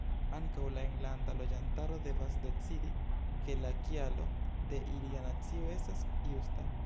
Ankaŭ la enlanda loĝantaro devas decidi ke la kialo de ilia nacio estas justa.